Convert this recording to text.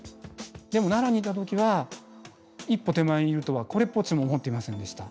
でも奈良にいた時は一歩手前にいるとはこれっぽっちも思っていませんでした。